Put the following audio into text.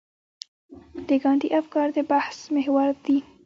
د ګاندي افکار د بحث محور دي.